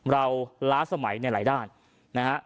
เราล้าสมัยในหลายด้าน